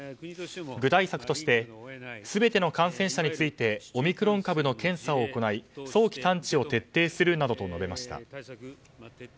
具体策として全ての感染者についてオミクロン株の検査を行い早期探知を徹底するなどと述べました。